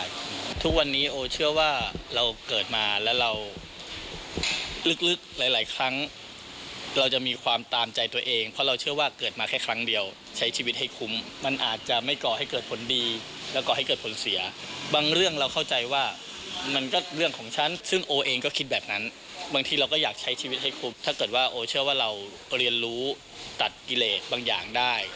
แล้วก็อยากใช้ชีวิตให้คุ้มถ้าเกิดว่าโอ้เชื่อว่าเราเรียนรู้ตัดกิเลกบางอย่างได้